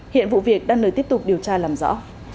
hiện vụ việc đang được tiếp tục điều tra làm rõ